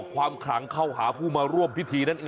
ขลังเข้าหาผู้มาร่วมพิธีนั่นเอง